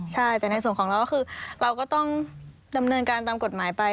ใช่แต่ในส่วนของเราก็คือเราก็ต้องดำเนินการตามกฎหมายไป